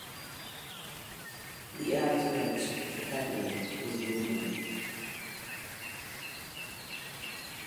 The outer edge of the cabinet was wooden.